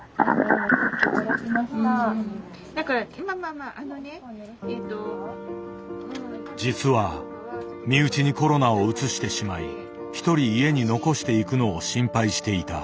まあとりあえず実は身内にコロナをうつしてしまいひとり家に残していくのを心配していた。